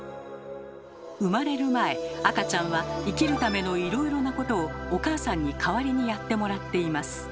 生まれる前赤ちゃんは生きるためのいろいろなことをお母さんに代わりにやってもらっています。